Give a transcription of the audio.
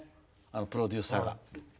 プロデューサーが。